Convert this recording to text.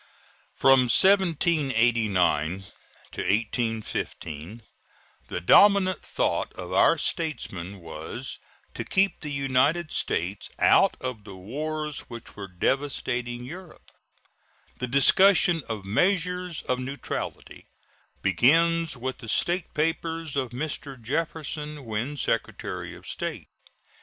From 1789 to 1815 the dominant thought of our statesmen was to keep the United States out of the wars which were devastating Europe. The discussion of measures of neutrality begins with the State papers of Mr. Jefferson when Secretary of State.